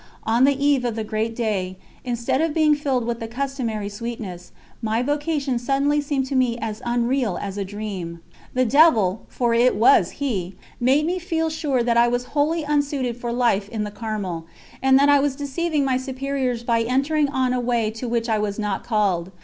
On the eve of the great day, instead of being filled with the customary sweetness, my vocation suddenly seemed to me as unreal as a dream. The devil for it was he made me feel sure that I was wholly unsuited for life in the Carmel, and that I was deceiving my superiors by entering on a way to which I was not called.